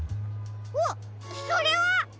あっそれは！